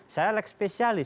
saya lek spesialis